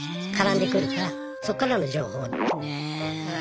絡んでくるからそっからの情報。ねぇ。